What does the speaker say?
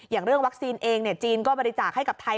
อย่างเรื่องวัคซีนเองจีนก็บริจาคให้กับไทย